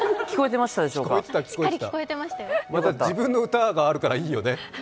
また自分の歌があるからいいよね。